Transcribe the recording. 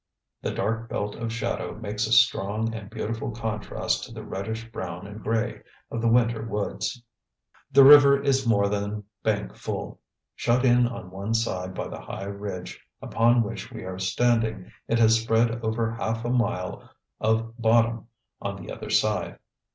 The dark belt of shadow makes a strong and beautiful contrast to the reddish brown and gray of the winter woods. The river is more than bank full. Shut in on one side by the high ridge upon which we are standing it has spread over half a mile of bottom on the other side.